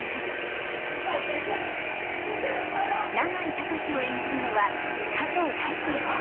永井隆を演じるのは加藤大成さん。